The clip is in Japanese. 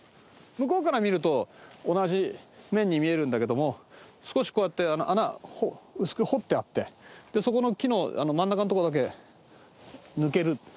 向こうから見ると同じ面に見えるんだけども少しこうやって穴薄く掘ってあってそこの木の真ん中の所だけ抜ける。